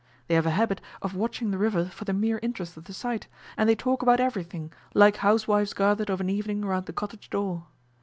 They have a habit of watching the river for the mere interest of the sight, and they talk about everything like housewives gathered of an evening round the cottage door.